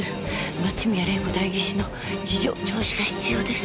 松宮玲子代議士の事情聴取が必要です。